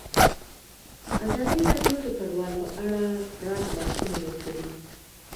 ازادي راډیو د کډوال په اړه پراخ بحثونه جوړ کړي.